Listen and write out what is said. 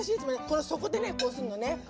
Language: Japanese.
この底でねこうするのね。